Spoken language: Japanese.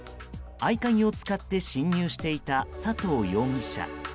合鍵を使って侵入していた佐藤容疑者。